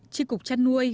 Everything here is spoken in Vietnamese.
chi cục chăn nuôi